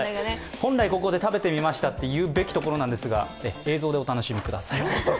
本来、ここで「食べてみました」と言うべきですが映像でお楽しみください。